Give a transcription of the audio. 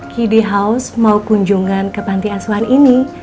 kiddy house mau kunjungan ke panti aswan ini